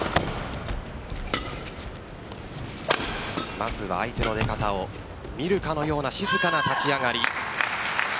まずは相手の出方を見るかのような静かな立ち上がり。